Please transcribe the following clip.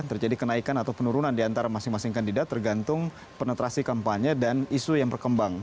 terjadi kenaikan atau penurunan di antara masing masing kandidat tergantung penetrasi kampanye dan isu yang berkembang